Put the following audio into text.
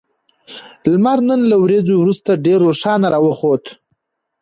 لمر نن له وريځو وروسته ډېر روښانه راوخوت